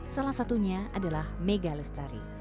salah satunya adalah mega lestari